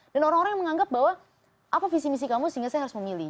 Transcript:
orang orang yang menganggap bahwa apa visi misi kamu sehingga saya harus memilih